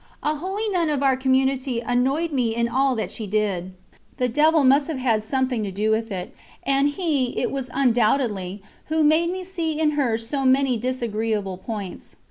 A holy nun of our community annoyed me in all that she did; the devil must have had something to do with it, and he it was undoubtedly who made me see in her so many disagreeable points.